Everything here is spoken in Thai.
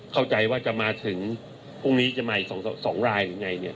เข้าใจว่าจะมาถึงพรุ่งนี้จะมาอีก๒รายอะไรไง